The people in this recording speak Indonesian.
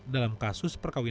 dalam kasus pernikahan